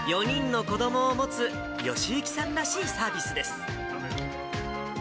４人の子どもを持つ義之さんらしいサービスです。